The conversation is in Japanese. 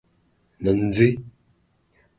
なんぜ？